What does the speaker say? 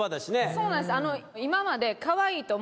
そうなんです